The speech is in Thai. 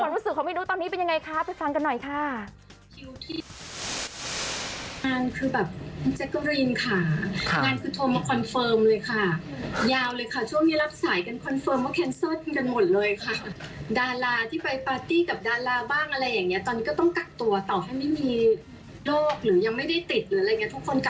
คนรู้สึกของพี่นุ๊กตอนนี้เป็นอย่างไรคะไปฟังกันหน่อยค่ะ